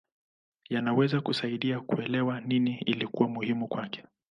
Yanaweza kusaidia kuelewa nini ilikuwa muhimu kwake.